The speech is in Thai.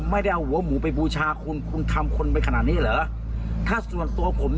ไม่อยากให้แม่เป็นอะไรไปแล้วนอนร้องไห้แท่ทุกคืน